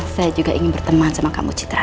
saya juga ingin berteman sama kamu citra